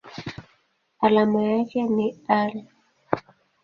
Alama yake ni Al.